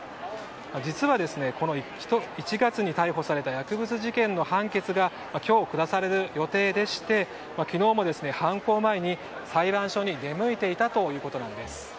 実は、１月に逮捕された薬物事件の判決が今日下される予定でして昨日も犯行前に裁判所に出向いていたということです。